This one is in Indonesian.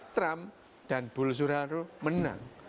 trump dan bull suraru menang